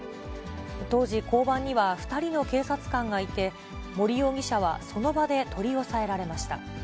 当時、交番には２人の警察官がいて、森容疑者はその場で取り押さえられました。